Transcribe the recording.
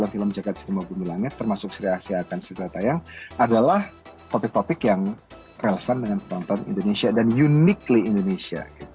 film jagad cinema bunga langit termasuk seri asih akan cerita tayang adalah topik topik yang relevan dengan penonton indonesia dan unik indonesia